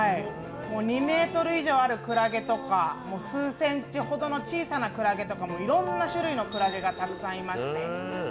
２ｍ以上あるくらげとか、数センチほどの小さなくらげとかいろんな種類のくらげがたくさんいまして。